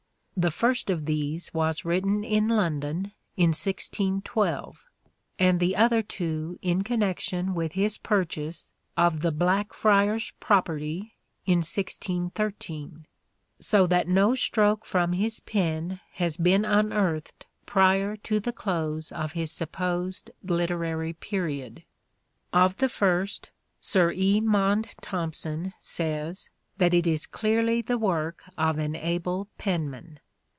The first of these was written in London in 1612, and the other two in connection with his purchase of the Blackfriars property in 1613 : so that no stroke from his pen has been unearthed prior to the close of his supposed literary period. Of the first, Sir E. Maunde Thompson says that it is clearly the work of an able penman.